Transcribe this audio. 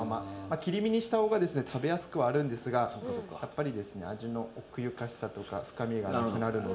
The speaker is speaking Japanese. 切り身にした方が食べやすくはあるんですがやっぱり味の奥ゆかしさとか深みがなくなるので。